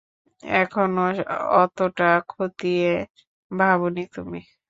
এখনো অতোটা খতিয়ে ভাবোনি তুমি।